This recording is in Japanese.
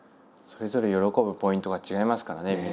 それぞれ喜ぶポイントが違いますからね